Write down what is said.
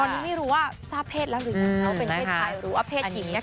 ตอนนี้ไม่รู้ว่าทราบเพศแล้วหรือว่าเขาเป็นเพศชายหรือว่าเพศหญิงนะคะ